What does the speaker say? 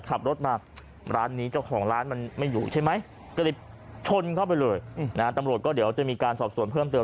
ขับรถมาร้านนี้เจ้าของร้านมันไม่อยู่ใช่ไหมก็เลยชนเข้าไปเลยนะฮะตำรวจก็เดี๋ยวจะมีการสอบส่วนเพิ่มเติม